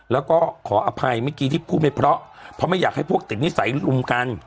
แล้วก็ขออภัยเมื่อกี้ที่พูดไม่เพราะเพราะไม่อยากให้พวกติดนิสัยลุมกัน